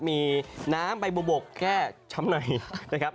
มีน้ำใบบุบกแค่ช้ำหน่อยนะครับ